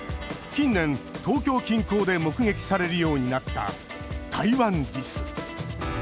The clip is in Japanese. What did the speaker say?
近年、東京近郊で目撃されるようになったタイワンリス。